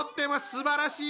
すばらしい。